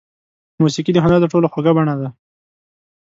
موسیقي د هنر تر ټولو خوږه بڼه ده.